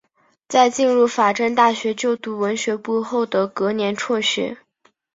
在进入法政大学就读文学部后的隔年辍学。